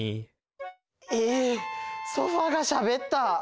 ええっソファーがしゃべった！？